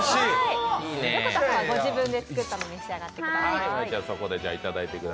横田さんはご自分で作ったものを召し上がってください。